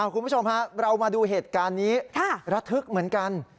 คุณผู้ชมฮะเรามาดูเหตุการณ์นี้ระทึกเหมือนกัน